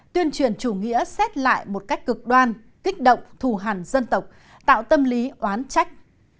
tuyên truyền chủ nghĩa xét lại một cách cực đoan kích động thù hẳn dân tộc tạo tâm lý oán trách